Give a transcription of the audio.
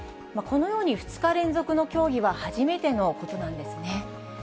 このように２日連続の協議は初めてのことなんですね。